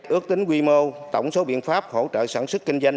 ước tính quy mô tổng số biện pháp hỗ trợ sản xuất kinh doanh